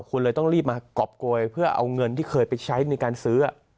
คุณเลยต้องรีบมากรอบโกยเพื่อเอาเงินที่เคยไปใช้ในการซื้อ